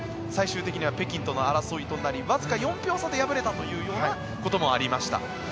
最終的には北京との争いとなりわずか４票差で敗れたというようなこともありました。